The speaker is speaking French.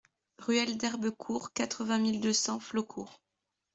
Ruelle d'Herbecourt, quatre-vingt mille deux cents Flaucourt